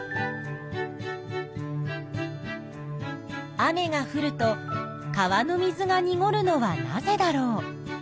雨がふると川の水がにごるのはなぜだろう？